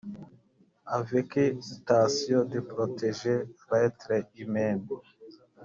avec intention de protéger l’être humain